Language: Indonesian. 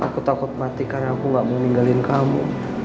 aku takut mati karena aku gak mau ninggalin kamu